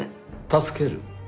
助ける？